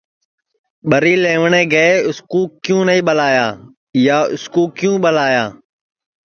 ٻری لئیوٹؔے گے اُس کُو کیوں نائی ٻلایا یا اُس کُو کیوں ٻلایا